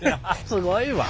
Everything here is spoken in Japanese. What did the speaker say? すごいわ。